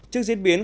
trước diễn biến